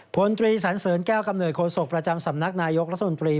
พลตรีสันเสริญแก้วกำเนิดโศกประจำสำนักนายกรัฐมนตรี